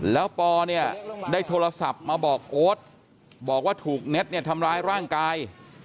แล้วปอเนี่ยได้โทรศัพท์มาบอกโอ๊ตบอกว่าถูกเน็ตเนี่ยทำร้ายร่างกาย